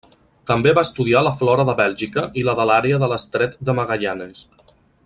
També va estudiar la flora de Bèlgica i la de l'àrea de l'Estret de Magallanes.